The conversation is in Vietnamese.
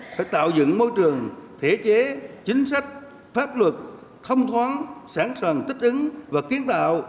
phải tạo dựng môi trường thể chế chính sách pháp luật thông thoáng sẵn sàng thích ứng và kiến tạo